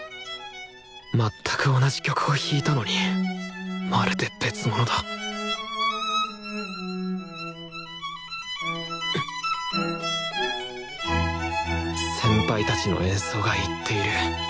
全く同じ曲を弾いたのにまるで別物だ先輩たちの演奏が言っている。